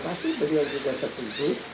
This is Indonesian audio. pasti beliau juga setuju